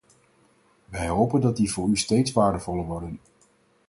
Wij hopen dat die voor u steeds waardevoller worden.